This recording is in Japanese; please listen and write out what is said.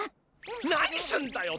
何すんだよ！